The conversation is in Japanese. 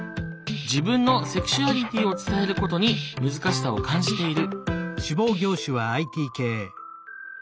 自分のセクシュアリティーを伝えることに難しさを感じている。